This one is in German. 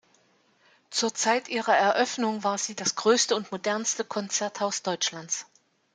Zur Zeit ihrer Eröffnung war sie das größte und modernste Konzerthaus Deutschlands.